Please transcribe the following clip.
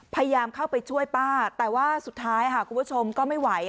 พยายามเข้าไปช่วยป้าแต่ว่าสุดท้ายค่ะคุณผู้ชมก็ไม่ไหว